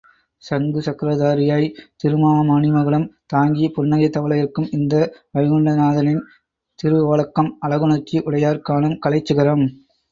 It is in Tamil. சங்கு சக்ரதாரியாய் திருமாமணிமகுடம் தாங்கி, புன்னகை தவழ இருக்கும் இந்த வைகுண்டநாதனின் திருஓலக்கம் அழகுணர்ச்சி உடையார் காணும் கலைச்சிகரம்.